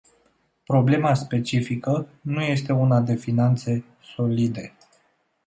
Problema specifică nu este una de finanțe "solide”.